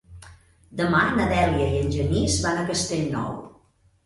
Demà na Dèlia i en Genís van a Castellnou.